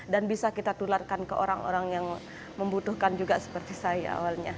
dan bisa kita tularkan ke orang orang yang membutuhkan juga seperti saya awalnya